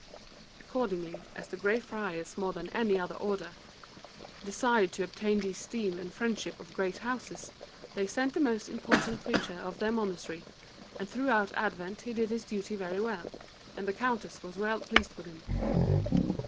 Accordingly, as the Grey Friars more than any other order desire to obtain the esteem and friendship of great houses, they sent the most important preacher of their monastery, and throughout Advent he did his duty very well, and the Countess was well pleased with him.